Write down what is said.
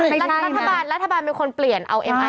รัฐบาลเป็นคนเปลี่ยนเอามีเอกสิทธิ์เข้ามาให้แพลน